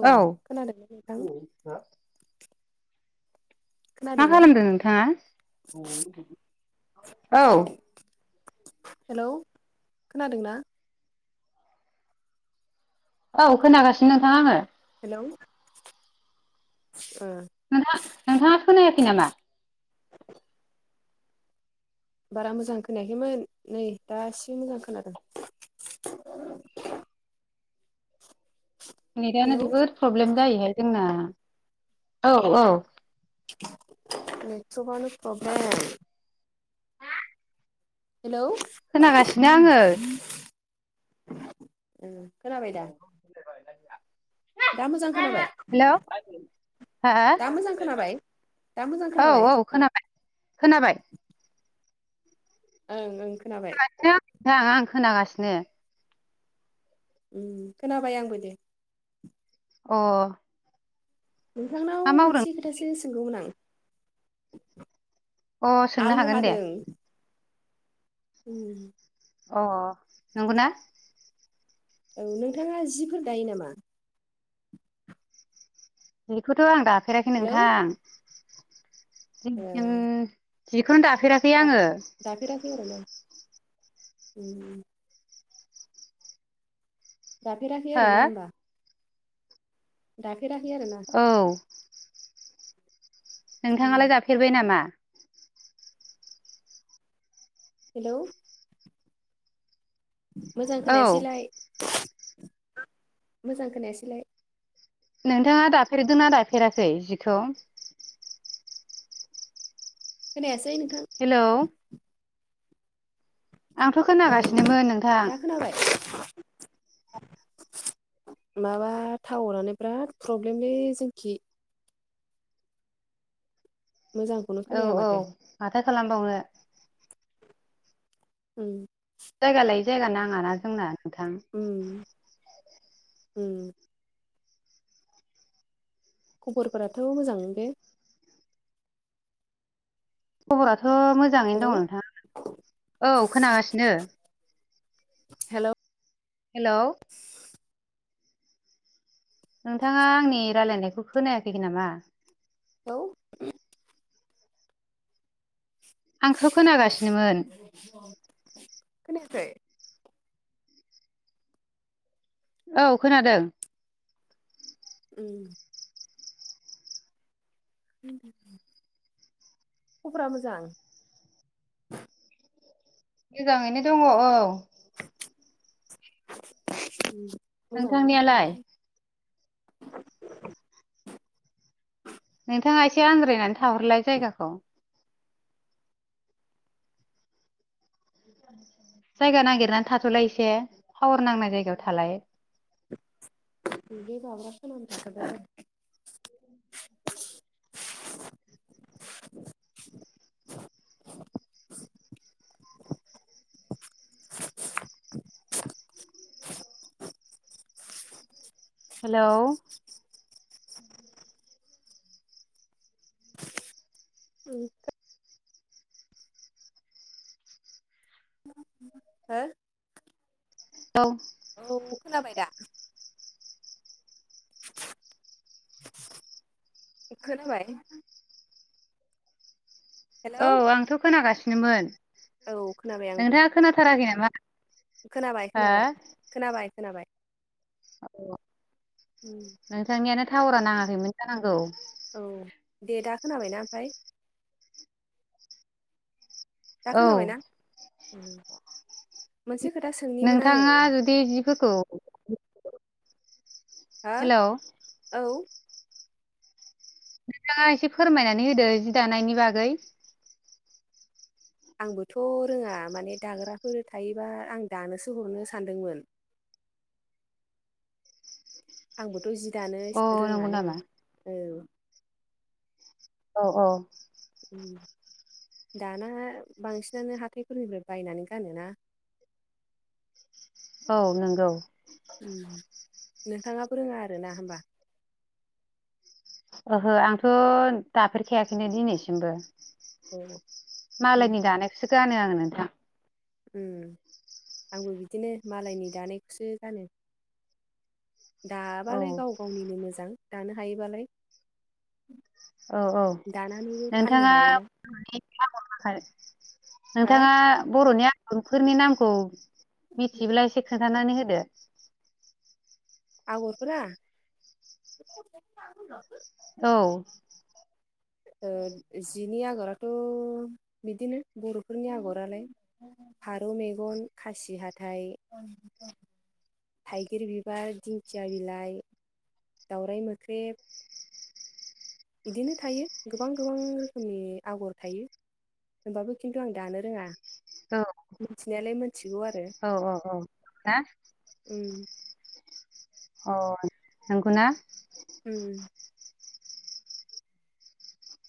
औ खोनादोंना नोंथां मा खोनादोंना खालामदों नोंथाङा औ हेलौ खोनादों ना? औ खोनागासिनो नोंथां आङो। हेलौ ओ नोंथा-नोंथाङा खोनायाखै नामा? बारा मोजां खोनायाखैमोन नै दासिम मोजां खोनादों। नेटनो हेलौ जोबोद प्रब्लेम जायोहाय जोंना औ औ नथ्रखानो प्रब्लेम हेलौ खोनागासिनो आङो खोनाबाय दा दा मोजां खोनाबाय हेलौ हा दा मोजां खोनाबाय दा मोजां औ खोनाबाय औ खोनाबाय खोनाबाय ओं ओं खोनाबाय [unintelligible] आं खोनागासिनो उम खोनाबाय आंबो दे अ नोंथांनाव मा मावदों मोनसे खोथासो सोंगौमोन आं अ सोंनो आलु हागोन दे हादों उम अ नंगौ ना औ नोंथाङा जिफोर दायो नामा? बेखौथ' आं दाफेराखै हेलौ नोंथां ओ [unintelligible] जिखौनो दाफेराखै आङो दाफेरासै आरो ना उम दाफेराखै हो आरो ना होनबा दाखेराखै आरो ना औ नोंथाङालाय हेलौ जाफेरबाय नामा हेलौ मोजां औ खोनायासैलाय मोजां खोनायासैलाय नोंथाङा दाफेरदों नना दाफेराखै जिखौ? खोनायासै नोंथां हेलौ आंथ' औ खोनागासिनोमोन नोंथां दा खोनाबाय माबा टाउरानो बिराद प्रब्लेमलै जोंखि मोजां औ औ माथाय खालामबावनो उम जायगा लायै जायगा नाङाना जोंना नोंथां उम उम खबरफोराथ' मोजां बे खबराथ' मोजाङैनो हेलौ दङ नोंथाङा औ खोनागासिनो हेलौ हेलौ नोंथाङा आंनि रायलायनायखौ खोनायाखै नामा हेलौ आंखौ खोनागासिनोमोन खोनायाखै औ खोनादों ओम खबरा मोजां मोजाङैनो दङ औ मोजांनो नोंथांनियालाय खोनालहाय नोंथाङा एसे आद्रायनानै थाहरलाय जायगाखौ जायगा नागिरनानै थाथ'लाय एसे पावार नांनाय जायगायाव थालाय [unintelligible] [inaudible] हेलौ उम हो औ औ खोनाबाय दा खोनबाय हेलौ औ आंथ' खोनागासिनोमोन औ खोनाबाय आंबो नोंथाङा खोनाथाराखै नामा खोनाबाय हा खोनाबाय खोनाबाय खोनाबाय औ उम नोंथांनियानो टावारा नाङाखैमोन जानांगौ औ दे दा खोनाबायनाा ओमफ्राय दा औ खोनाबायनाा मोनसे खोथा सों नोंथाङा जुदि जिफोरखौ हा हेलौ औ नोंथाङा एसे फोरमायनानै होदो जि दानायनि बागै आंबोथ' रोङा माने दाग्राफोर थायोबा आं दानोसो हरनो सानदोंमोन आंबोथ' जि दानो अ नंगौ रोङानो नामा औ। औ औ। दाना बांसिनानो हाथाइफोरनिफ्राय बायनानै गानोना। औ नंगौ। उम नोंथाङाबो रोङा आरो ना होमबा। ओहो आंथ' दाफेरखायाखैनो दिनैसिमबो औ मालायनि दानायखौसो गानो आङो नोंथां उम आंबो बिदिनो मालायनि दानायखौसो गानो। औ दाबालाय गाव गावनिनो मोजां दानो हायोबालाय औ औ दानानैबो फाननो नोंथाङा हायोना आगर आखाइ हा नोंथाङा बर'नि आगुफोरनि नामखौ मिथिब्ला एसे खोन्थानानै होदो आगरफोरा औ। ओ जिनि आगराथ' बिदिनो बर'फोरनि आगरालाय फारौ मेगन खासि हाथाय थाइगिर बिबार दिंखिया बिलाइ दावराइ मोख्रेब बिदिनो थायो गोबां गोबां रोखोमनि आगर थायो। होमबाबो खिन्थु आं दानो रोङा औ मिथिनायालाय मिथिगौ आरो औ औ औ ना उम अ नंगौ ना उम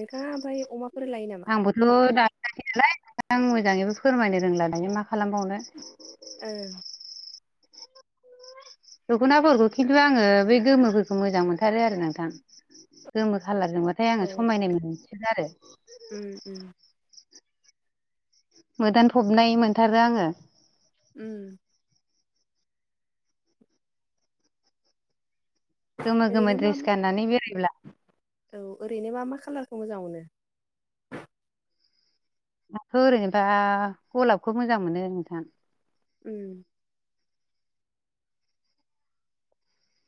नोंथाङा ओमफाय अमाफोर लाय ना आंबोथ' दाखाखै नालाय आं मोजाङैबो फोरमायनो रोंला दायो मा खालामबावनो ओ दख'नाफोरखौ खिन्थु आङो बे गोमोफोरखौ मोजां मोनथारो आरो नोंथां गोमो खालारजोंब ओमफ्राय औ आङो समायनाय मोनसिन गारो। उम उम। मोदानफबनाय मोनथारो आङो उम। गोमो गोमो ओरैनो मा द्रेस मा गाननानै बेरायब्ला औ ओरैनो मा मा खाालारखौ मोजां मोनो। आथ' ओरैनोबा गलाबखौ मोजां मोनो नोंथां उम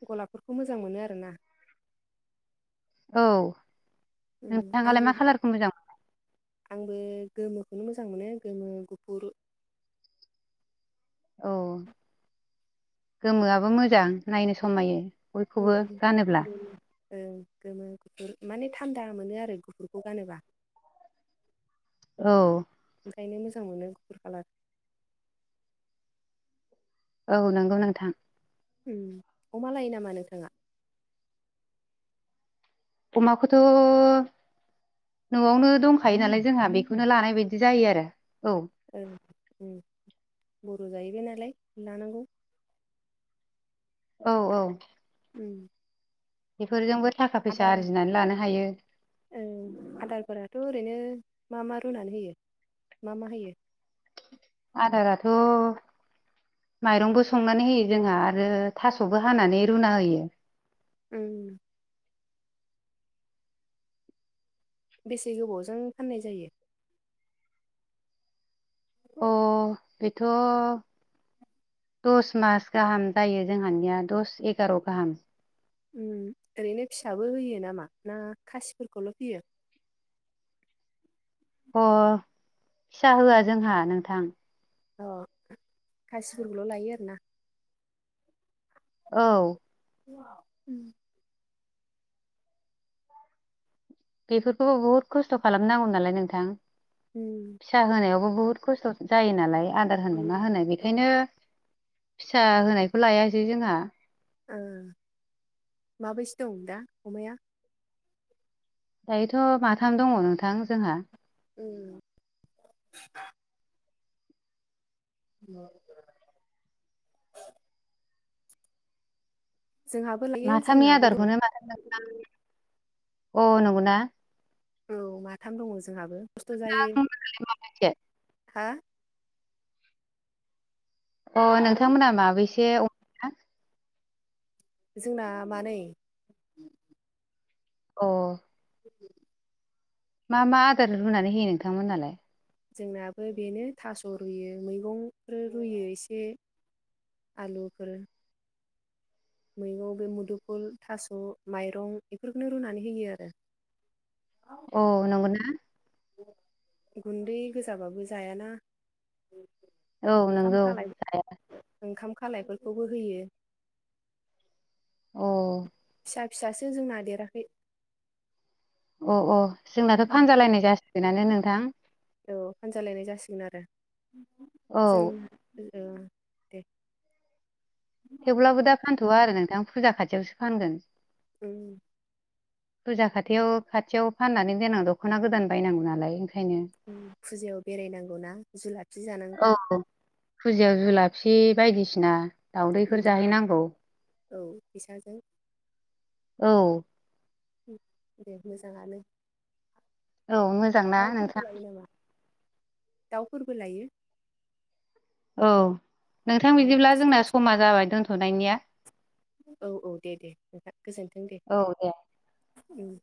गलाबफोरखौ मोजां मोनो आरो ना औ उम नोंथाङालाय आंबो मा खालारखौ मोजां मोनो आंबो गोमोखौनो मोजां मोनो गोमो गुफुर औ गोमोआबो मोजां नायनो समायो। बयखौबो उम गानोब्ला गोमो ओं गोमो गुफुर माने थान्दा मोनो आरो गुफुरखौ गानोबा औ ओंखायनो मोजां मोनो गुफुर कालार औ नंगौ नोंथां उम अमा लायो नामा नोंथाङा अमाखौथ' न'आवनो दंखायो नालाय जोंहा बेखौनो लानाय बायदि जायो आरो औ। ओ ओं बर' जाहैबाय नालाय लानांगौ औ औ उम। बेफोरजोंबो थाखा फैसा आदार आरजिनानै लानो हायो। आदारफोराथ' ओरैनो मा मा रुनानै होयो मा मा होयो आदाराथ' माइरंबो संनानै होयो जोंहा आरो थास'बो हानानै रुना होयो उम बेसे गोबावजों फाननाय जायो अ बेथ' दस मास गाहाम जायो जोंहानिया दस एगार' गाहाम ओरैनो फिसाबो होयो नामा ना खासिफोरखौल' फैयो अ फिसा होआ जोंहा नोंथां। अ खासिफोरखौल' लायो आरोना। औ [unintelligible] बेफोरखौबो बुहुद खस्थ' खालामनांगौ नालाय नोंथां। उम फिसा होनायावबो बुहुत खस्थ' जायो नालाय आदार होनाय उम मा होनाय बेखायनो फिसा होनायखौ लायासै जोंहा माबैसो दं दा अमाया दायोथ' माथाम दङ नोंथां जोंहा उम [unintelligible] जोंहाबो लायो माथामनि जोंनाबो दं आदारखौनो अ नंगौना औ माथाम दङ जोंहाबो खस्थ' जायो औ हा अ हेलौ नोंथांमोना माबैसे अमा जोंना मानैै अ मा मा आदार रुनानै होयो नोंथांमोनहालाय जोंनाबो बेनो थास' रुयो मैगंफोर रुयो एसे आलुफोर मैगं बे मुदुफुल थास' माइरं बेफोरखौनो रुनानै होयो आरो [unintelligible] अ नंगौ ना गुन्दै गोजाबाबो जायाना औ ओंखाम नंगौ खाल ओंखाम खालायफोरखौबो होयो अ फिसा फिसासो जोंना देराखै अ अ जोंनाथ' फानजालायनाय जासिगोनानो नोंथां औ फानजालायनाय जासिगोन आरो औ जों दे थेवब्लाबो दा फानथ'वा आरो नोंथां फुजा खाथियावसो फानगोन उम फुरजा खाथियाव खाथियाव फाननानै देनां दख'ना गोदान बायनांगौ नालाय ओंखायनो फुजायाव बेरायनांगौनाा जुलाफि जानांगौ औ फुजायाव जुलाफि बायदिसिना दाउदैफोर जाहैनांगौ औ फैसाजों औ दे मोजाङानो औ मोजांना नोंथां दाउफोरबो लायो नामा दाउफोरबो लायो? औ नोंथां बिदिब्ला जोंना समा जाबाय दोन्थ'नायनिया? औ औ दे दे नोंथां गोजोनथों दे ओम।